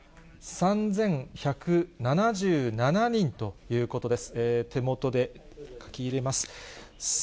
３１７７ということです。